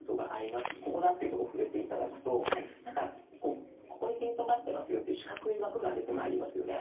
ここだっていうところ触れて頂くとなんかここにピントが合ってますよっていう四角い枠が出てまいりますよね。